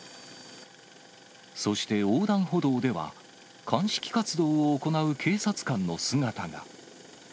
そして、横断歩道では、鑑識活動を行う警察官の姿が。